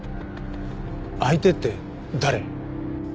相手って誰？